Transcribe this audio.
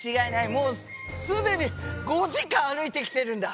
もうすでに５時間歩いてきてるんだ。